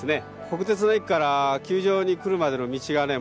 国鉄の駅から球場に来るまでの道がね